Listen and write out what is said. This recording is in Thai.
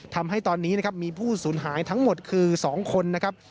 ทำให้ตอนนี้นะครับมีผู้สูญหายทั้งหมดคือ๒คนนะครับ